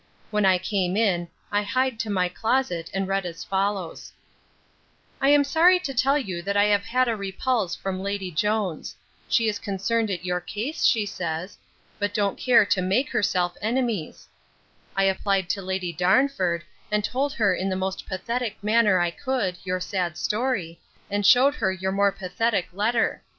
When I came in, I hied to my closet, and read as follows: 'I am sorry to tell you that I have had a repulse from Lady Jones. She is concerned at your case, she says, but don't care to make herself enemies. I applied to Lady Darnford, and told her in the most pathetic manner I could, your sad story, and shewed her your more pathetic letter.